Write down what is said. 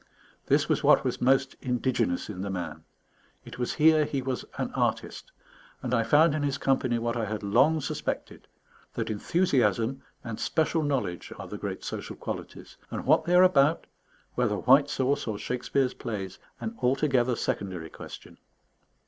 This was what was most indigenous in the man; it was here he was an artist; and I found in his company what I had long suspected, that enthusiasm and special knowledge are the great social qualities, and what they are about, whether white sauce or Shakespeare's plays, an altogether secondary question.